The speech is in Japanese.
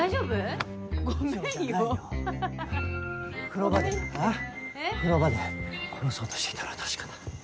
風呂場で殺そうとしていたのは確かだ。